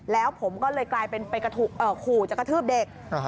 แล้วผมก็เลยกลายเป็นไปขู่จะกระทืบเด็ก